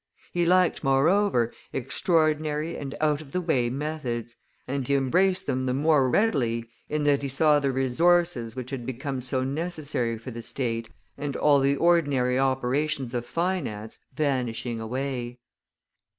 He liked, moreover, extraordinary and out of the way methods, and he embraced them the more readily in that he saw the resources which had become so necessary for the state and all the ordinary operations of finance vanishing away.